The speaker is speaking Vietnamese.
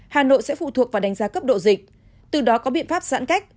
hà nội sẽ phụ thuộc vào đánh giá cấp độ dịch từ đó có biện pháp giãn cách